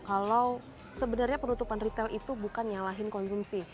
kalau sebenarnya penutupan retail itu bukan nyalahin konsumsi